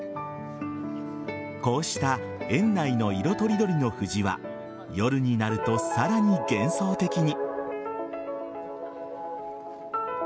こうした園内の色とりどりの藤は夜になると、さらに幻想的に。